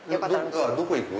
どこに行く？